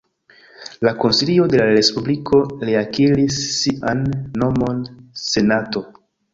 La Konsilio de la Respubliko reakiris sian nomon Senato.